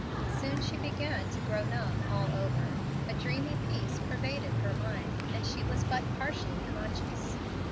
Soon she began to grow numb all over. A dreamy peace pervaded her mind, and she was but partially conscious.